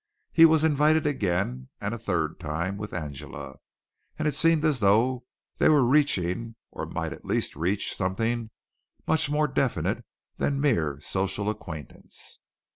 He was invited again and a third time, with Angela, and it seemed as though they were reaching, or might at least reach, something much more definite than a mere social acquaintance.